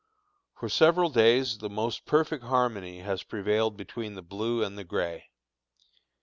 For several days the most perfect harmony has prevailed between the blue and the gray.